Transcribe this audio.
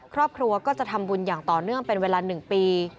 ครอบครัวก็จะทำบุญอย่างต่อเนื่องเป็นเวลา๑ปี